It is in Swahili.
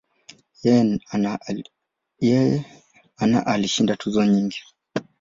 Yeye ana alishinda tuzo nyingi.